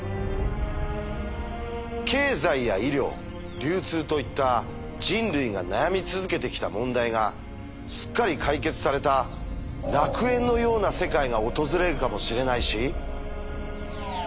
経済や医療流通といった人類が悩み続けてきた問題がすっかり解決された楽園のような世界が訪れるかもしれないし